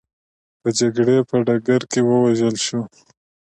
په جګړې په ډګر کې ووژل شول.